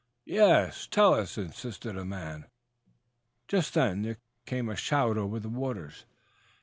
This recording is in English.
"Yes, tell us," insisted a man. Just then, there came a shout over the waters.